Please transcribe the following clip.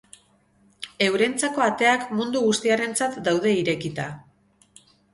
Eurentzako ateak mundu guztiarentzat daude irekita.